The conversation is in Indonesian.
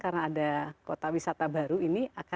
karena ada kota wisata baru ini